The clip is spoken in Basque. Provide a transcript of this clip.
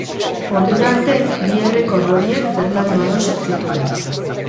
Ordura arte, bi errekor horiek Fernando Alonsok zituen.